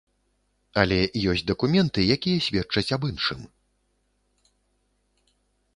Але ёсць дакументы, якія сведчаць аб іншым.